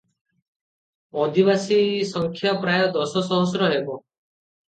ଅଧିବାସୀସଂଖ୍ୟା ପ୍ରାୟ ଦଶ ସହସ୍ର ହେବ ।